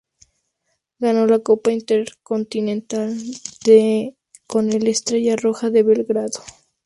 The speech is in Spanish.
Ganó la Copa intercontinental de con el Estrella Roja de Belgrado.